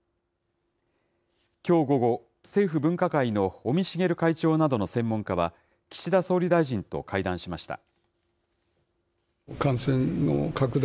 きょう午後、政府分科会の尾身茂会長などの専門家は、岸田総理大臣と会談しました。